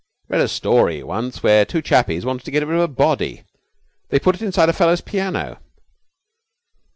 'I read a story once where two chappies wanted to get rid of a body. They put it inside a fellow's piano.'